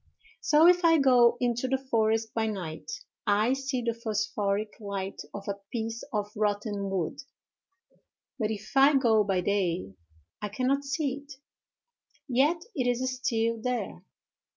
So if I go into the forest by night, I see the phosphoric light of a piece of rotten wood; but if I go by day I can not see it; yet it is still there.